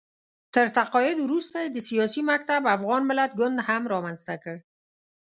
تر تقاعد وروسته یې د سیاسي مکتب افغان ملت ګوند هم رامنځته کړ